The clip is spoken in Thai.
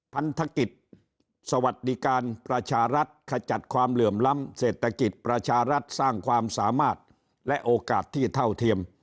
พันธกิจสวัสดีการประชารัฐขจัดความเหลื่อมล้ำเศรษฐกิจประชารัฐสร้างความสามารถและโอกาสที่เท่าเทียม